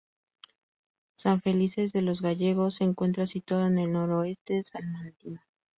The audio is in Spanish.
San Felices de los Gallegos se encuentra situado en el noroeste salmantino.